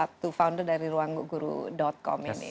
iman yang satu founder dari ruangguguru com ini